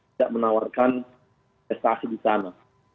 tidak menawarkan prestasi di sana